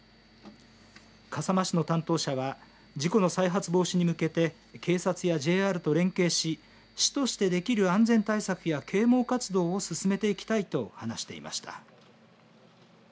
笠間市の担当者は事故の再発防止に向けて警察やＪＲと連携し市としてできる安全対策や啓蒙活動を進めていきたいと話していました。